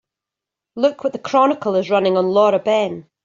Look what the Chronicle is running on Laura Ben.